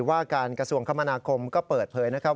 ว่าการกระทรวงคมนาคมก็เปิดเผยนะครับ